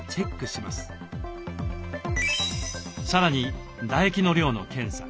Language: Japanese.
さらに唾液の量の検査。